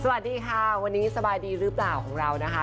สวัสดีค่ะวันนี้สบายดีหรือเปล่าของเรานะคะ